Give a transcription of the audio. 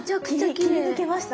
切り抜けました？